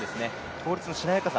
倒立のしなやかさ。